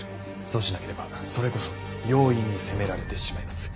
そうしなければそれこそ容易に攻められてしまいます。